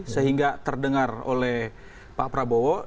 sehingga terdengar oleh pak prabowo